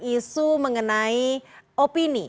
isu mengenai opini